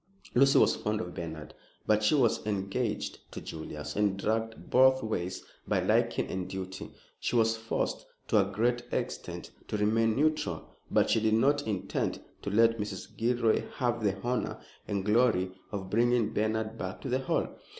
Lucy was fond of Bernard, but she was engaged to Julius, and, dragged both ways by liking and duty, she was forced to a great extent to remain neutral. But she did not intend to let Mrs. Gilroy have the honor and glory of bringing Bernard back to the Hall.